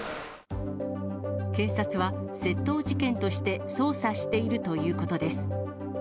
警察は窃盗事件として捜査しているということです。